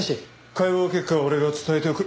解剖結果は俺が伝えておく。